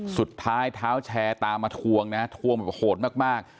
สุดท้ายเท้าแชร์ตามมาทวงนะทวงแบบโหดมาก